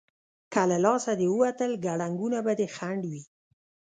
که له لاسه دې ووتل، کړنګونه به دې خنډ وي.